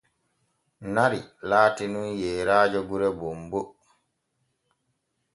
Nari laati nun yeeraajo gure bonbo.